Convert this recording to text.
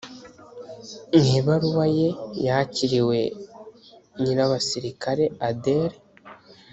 mu ibaruwa ye yakiriwe nyirabasirikare adèle